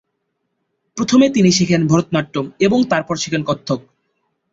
প্রথমে তিনি শেখেন ভরতনাট্যম এবং তারপর শেখেন কত্থক।